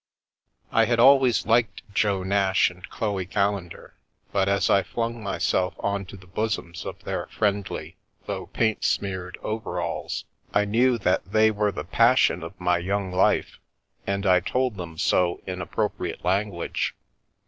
I had always liked Jo Nash and Chloe Callendar, but as I flung myself on to the bosoms of their friendly, though paint smeared, overalls, I knew that they were the passion of my young life, and I told them so in ap propriate language.